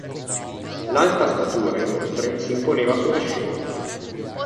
L'alta statura inoltre si imponeva sulla scena.